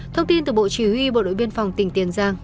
thông tin từ bộ chỉ huy bộ đội biên phòng tỉnh tiền giang